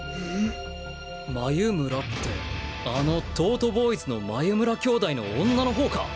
眉村ってあの東斗ボーイズの眉村姉弟の女の方か。